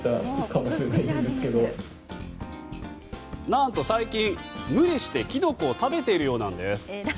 何と最近無理してキノコを食べているようなんです。